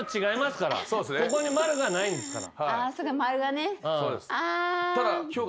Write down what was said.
ここに丸がないんですから。